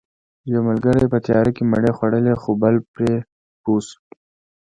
یو ملګری په تیاره کې مڼې خوړلې خو بل پرې پوه شو